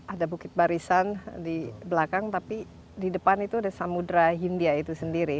ada bukit barisan di belakang tapi di depan itu ada samudera hindia itu sendiri